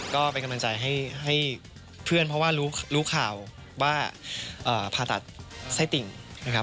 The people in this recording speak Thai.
ก็เป็นกำลังใจให้เพื่อนเพราะว่ารู้ข่าวว่าผ่าตัดไส้ติ่งนะครับ